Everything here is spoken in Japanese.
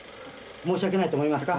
申し訳ないと思いますか？